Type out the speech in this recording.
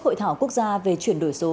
hội thảo quốc gia về chuyển đổi số